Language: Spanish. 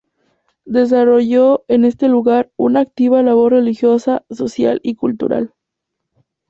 Desarrolló en este lugar una activa labor religiosa, social y cultural.